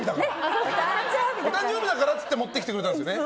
お誕生日だからって持ってきてくれたんですよね。